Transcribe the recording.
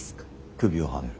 首をはねる。